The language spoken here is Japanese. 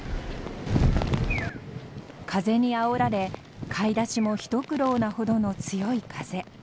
風にあおられ買い出しも一苦労なほどの強い風。